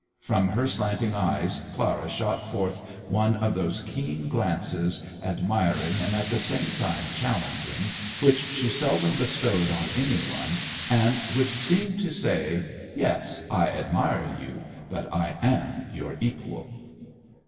From her slanting eyes Clara shot forth one of those keen glances, admiring and at the same time challenging, which she seldom bestowed on any one, and which seemed to say, "Yes, I admire you, but I am your equal."